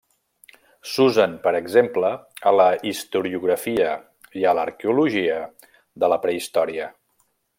S'usen, per exemple, a la Historiografia i a l'Arqueologia de la Prehistòria.